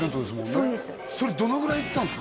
そうですそれどのぐらい行ってたんですか？